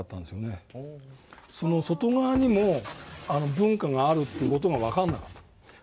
その外側にも文化があるという事が分かんなかった。